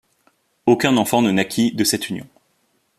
Aucun enfant ne naquit de cette union.